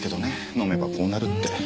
飲めばこうなるって。